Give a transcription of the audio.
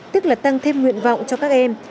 tức là tăng thêm nguyện vọng cho các em